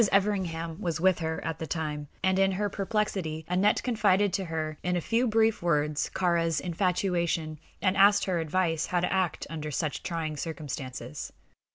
Everingham was with her at the time, and in her perplexity Aneth confided to her in a few brief words Kāra's infatuation, and asked her advice how to act under such trying circumstances.